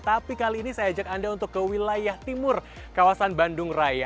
tapi kali ini saya ajak anda untuk ke wilayah timur kawasan bandung raya